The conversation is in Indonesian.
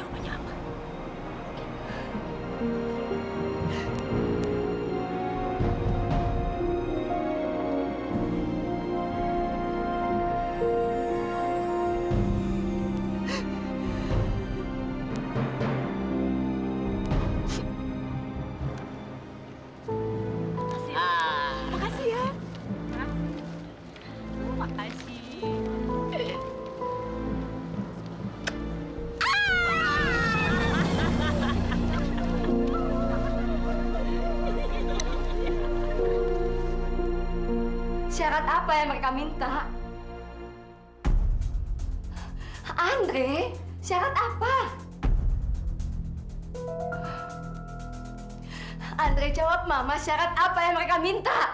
kamu lihat mama kamu nangis setiap hari